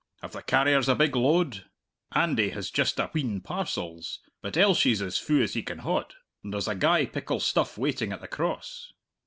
"Have the carriers a big load?" "Andy has just a wheen parcels, but Elshie's as fu' as he can haud. And there's a gey pickle stuff waiting at the Cross."